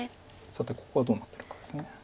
さてここはどうなってるかです。